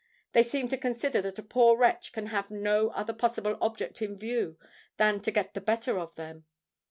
They seem to consider that a poor wretch can have no other possible object in view than to get the better of them.